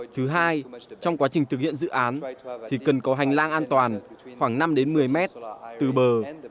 thứ hai trong quá trình thực hiện dự án thì cần có hành lang an toàn khoảng năm một mươi mét từ bờ